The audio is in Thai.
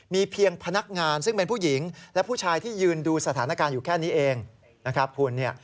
มีเพียงพนักงานซึ่งเป็นผู้หญิงและผู้ชายที่ยืนดูสถานการณ์อยู่แค่นี้เองนะครับคุณเนี่ย